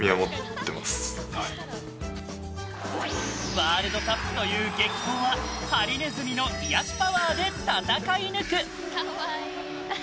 ワールドカップという激闘はハリネズミの癒やしパワーで戦い抜く。